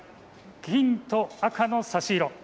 金と赤の差し色。